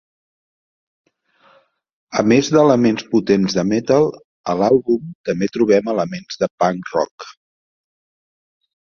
A més d'elements potents de metal, a l'àlbum també trobem elements de punk rock.